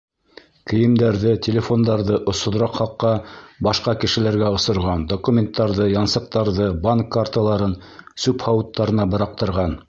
Кейемдәрҙе, телефондарҙы осһоҙораҡ хаҡҡа башҡа кешеләргә осорған, документтарҙы, янсыҡтарҙы, банк карталарын сүп һауыттарына быраҡтырған.